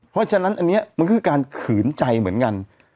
เพราะฉะนั้นอันนี้มันคือการขืนใจเหมือนกัน